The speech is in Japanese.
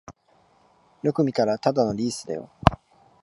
よく見たらただのリースだよ